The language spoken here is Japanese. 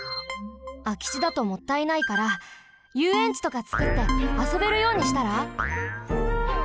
あきちだともったいないからゆうえんちとかつくってあそべるようにしたら？